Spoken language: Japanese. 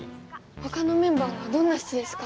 ほかのメンバーはどんな人ですか？